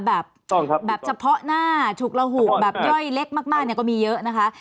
แบบเฉพาะหน้าฉุกระหุกแบบย่อยเล็กมากเนี่ยก็มีเยอะนะคะ